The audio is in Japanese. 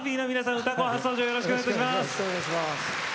「うたコン」初登場よろしくお願いいたします！